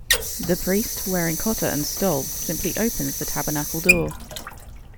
The priest, wearing cotta and stole, simply opens the tabernacle door.